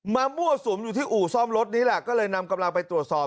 มามั่วสุมอยู่ที่หนีล่ะก็เลยนำกำลังไปตรวจสอบ